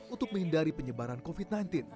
untuk menghindari penyebaran covid sembilan belas